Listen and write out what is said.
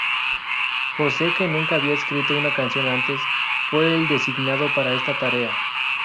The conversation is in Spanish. Jose que nunca había escrito una canción antes, fue el designado para esta tarea.